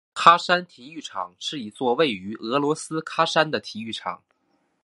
喀山体育场是一座位于俄罗斯喀山的体育场。